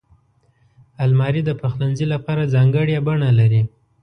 الماري د پخلنځي لپاره ځانګړې بڼه لري